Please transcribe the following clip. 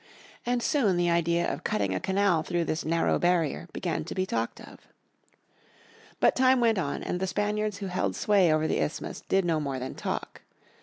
And soon the idea of cutting a canal through this narrow barrier began to be talked of. But time went on and the Spaniards who held sway over the isthmus did no more than talk.